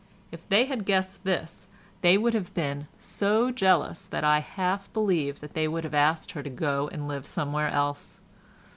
If they had guessed this, they would have been so jealous that I half believe they would have asked her to go and live somewhere else.